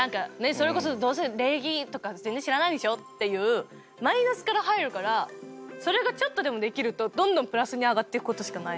それこそどうせ礼儀とか全然知らないでしょっていうマイナスから入るからそれがちょっとでもできるとどんどんプラスに上がっていくことしかない。